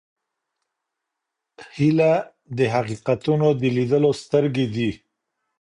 هیله د حقیقتونو د لیدلو سترګې دي.